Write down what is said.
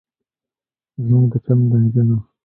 زموږ د چم د نجونو